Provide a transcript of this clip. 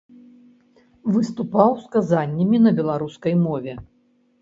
Выступаў з казаннямі на беларускай мове.